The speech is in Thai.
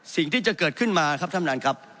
สิ่งที่จะเกิดขึ้นมาครับท่านประธานครับ